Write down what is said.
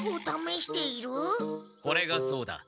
これがそうだ。